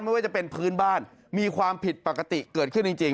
ไม่ว่าจะเป็นพื้นบ้านมีความผิดปกติเกิดขึ้นจริง